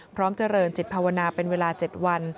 พร้อมเจริญจิตภาวนาเป็นเวลา๗วัน